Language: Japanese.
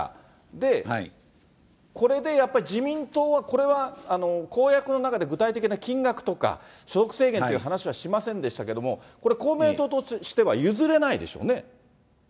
で、これでやっぱり自民党はこれは公約の中で具体的な金額とか、所得制限という話はしませんでしたけども、これ、公明党としては譲れないでしょうね。